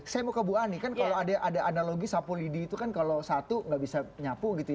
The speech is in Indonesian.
saya mau ke bu ani kan kalau ada analogi sapu lidi itu kan kalau satu nggak bisa nyapu gitu ya